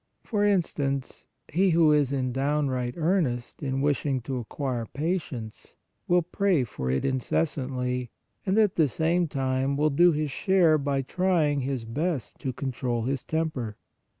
For instance, he who is in downright ear nest in wishing to acquire patience, will pray for it incessantly and, at the same time, will do his share by trying his best to control his temper.